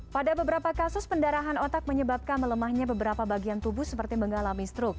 pada beberapa kasus pendarahan otak menyebabkan melemahnya beberapa bagian tubuh seperti mengalami stroke